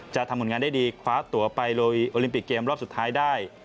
จะทำผลงานได้ดีคว้าตัวไปลุยโอลิมปิกเกมรอบสุดท้ายได้